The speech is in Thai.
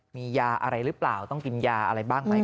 มียาอะไรหรือเปล่าต้องกินยาอะไรบ้างไหม